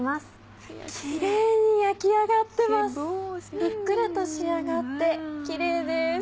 ふっくらと仕上がってキレイです。